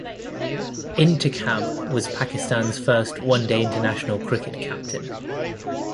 Intikhab was Pakistan's first One Day International cricket captain.